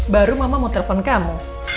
baru mama mau telepon kamu